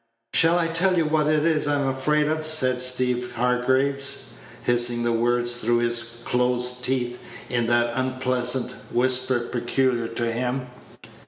"Shall I tell you what it is I'm afraid of?" said Steeve Hargraves, hissing the words through his closed teeth in that unpleasant whisper peculiar to him.